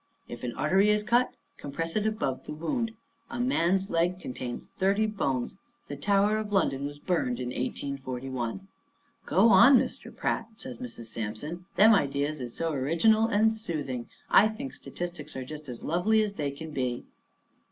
If an artery is cut, compress it above the wound. A man's leg contains thirty bones. The Tower of London was burned in 1841." "Go on, Mr. Pratt," says Mrs. Sampson. "Them ideas is so original and soothing. I think statistics are just as lovely as they can be."